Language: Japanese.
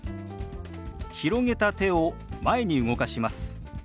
広げた手を前に動かします。